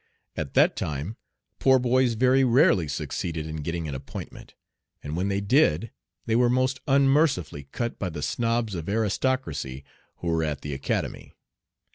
At that time poor boys very rarely succeeded in getting an appointment, and when they did they were most unmercifully "cut" by the snobs of aristocracy who were at the Academy.